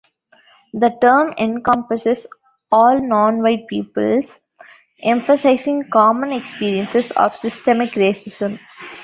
The term encompasses all non-white peoples, emphasizing common experiences of systemic racism.